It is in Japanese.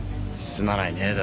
すまないね